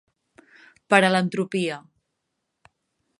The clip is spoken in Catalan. Per a l'entropia.